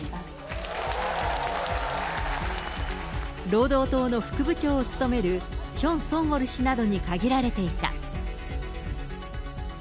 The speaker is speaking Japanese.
労働党の副部長を務める、ヒョン・ソンウォル氏などに限られていた。